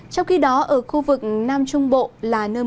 trong khi đó ở khu vực nam trung bộ là nơi